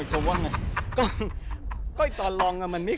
เหมือนคำได้